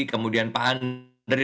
kemudian pak henry